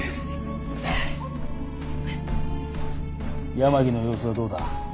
八巻の様子はどうだ？